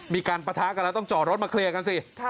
ปะทะกันแล้วต้องจอดรถมาเคลียร์กันสิ